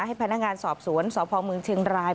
ให้พนักงานสอบสวนสพเมืองเชียงราย